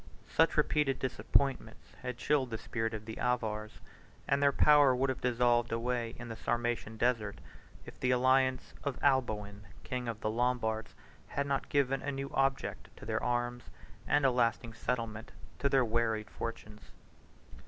7 Such repeated disappointments had chilled the spirit of the Avars, and their power would have dissolved away in the Sarmatian desert, if the alliance of Alboin, king of the Lombards, had not given a new object to their arms, and a lasting settlement to their wearied fortunes.